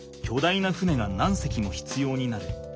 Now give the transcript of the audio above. いな船が何隻も必要になる。